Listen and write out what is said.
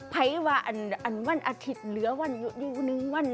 ไพว่าอันวันอาทิตย์เหลือวันอยู่นึงวัน